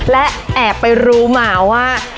และแอบไปรู้หรือว่า